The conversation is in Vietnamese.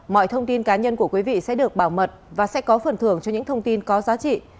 mọi thông tin cá nhân của quý vị sẽ được bảo mật và sẽ có phần thưởng cho những thông tin có giá trị